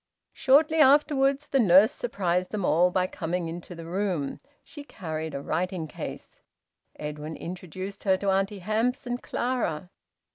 Shortly afterwards the nurse surprised them all by coming into the room. She carried a writing case. Edwin introduced her to Auntie Hamps and Clara.